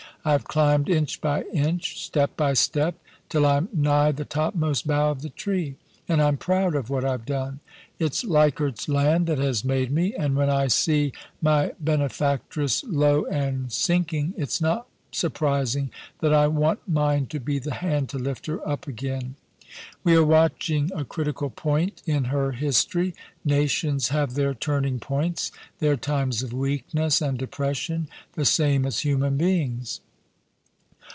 I've climbed inch by inch, step by step, till I'm nigh the topmost bough of the tree ; and I'm proud of what I've done. It's Leichardt's Land that has made me ; and when I see my benefactress low and sinking, it's not surprising that I want mine to be the hand to lift her up again. We are watching a critical point in her history. Nations have their turning points, their times of weakness and depression, the same as human beings.